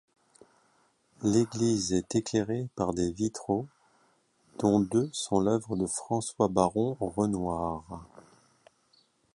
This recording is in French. L'église est éclairée par des vitraux, dont deux sont l'œuvre de François Baron-Renouard.